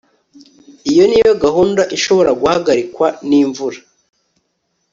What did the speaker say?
Iyo niyo gahunda ishobora guhagarikwa nimvura